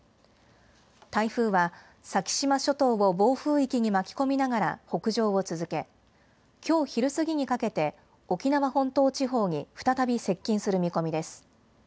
台風は先島諸島を暴風域に巻き込みながら北上を続け、きょう昼過ぎにかけて、沖縄本島地方に再び接近する見込みです。